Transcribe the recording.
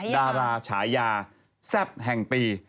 ดาราฉายาแซ่บแห่งปี